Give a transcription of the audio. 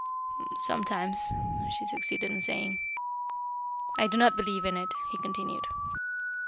"Sometimes," she succeeded in saying. "I do not believe in it," he continued.